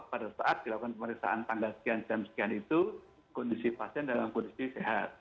pada saat dilakukan pemeriksaan tanggal sekian jam sekian itu kondisi pasien dalam kondisi sehat